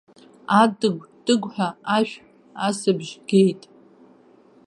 Атыгә-тыгәҳәа ашә асыбжь геит.